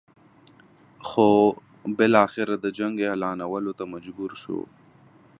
خو بالاخره د جنګ اعلانولو ته مجبور شو.